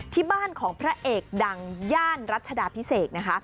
ที่บ้านของพระเอกดังย่านรัชดาพิเศษนะคะ